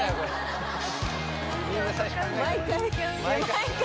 ・毎回・